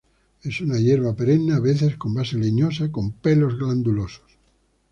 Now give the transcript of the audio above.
Es una hierba perenne a veces con la base leñosa, con pelos glandulosos.